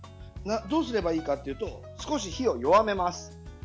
どうすればいいかというと少し火を弱めます。